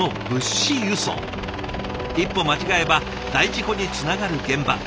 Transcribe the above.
一歩間違えば大事故につながる現場。